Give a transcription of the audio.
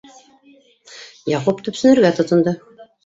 Яҡуп төпсөнөргә тотондо.